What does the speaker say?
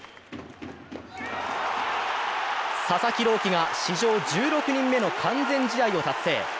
佐々木朗希が史上１６人目の完全試合を達成。